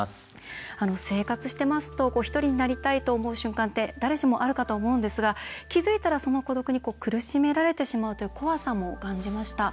生活してますとひとりになりたいと思う瞬間って誰しもあるかと思うんですが気付いたら、その孤独に苦しめられてしまうという怖さも感じました。